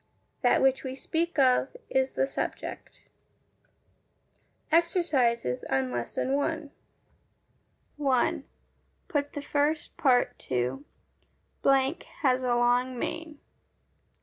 That which we speak of is the SUBJECT. Exercises on Lesson I 1. Put the first part to has a long mane.